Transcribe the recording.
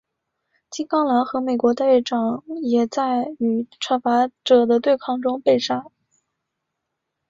金刚狼和美国队长也在与惩罚者的对抗中一一被杀。